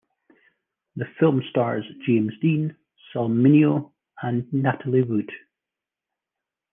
The film stars James Dean, Sal Mineo and Natalie Wood.